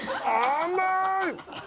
甘い！